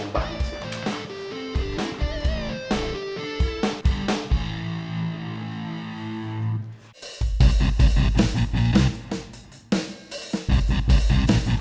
udah gue ngantuk